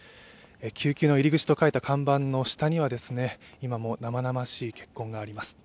救急の入り口と書いた看板の下には、今も生々しい血痕があります。